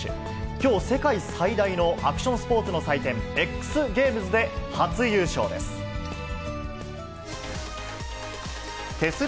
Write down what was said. きょう世界最大のアクションスポーツの祭典、Ｘゲームズで初優勝です。